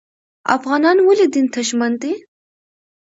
افغانان ولې دین ته ژمن دي؟